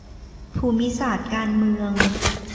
ภูมิศาสตร์การเมือง